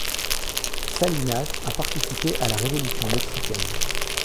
Salinas a participé à la Révolution mexicaine.